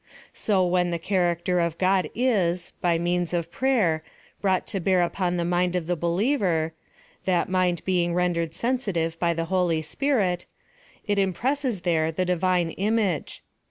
So when the character of God is, by means of prayer, brought to bear upon the mmd of the believer — that mind being rendered sensitive by the Holy Spirit — it im presses there the Divine image.